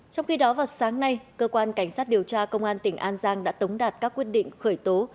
trong khi đó vào sáng nay cơ quan cảnh sát điều tra công an tỉnh an giang đã tống đạt các quyết định khởi tố